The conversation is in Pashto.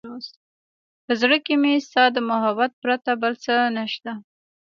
په زړه کې مې ستا د محبت پرته بل څه نشته.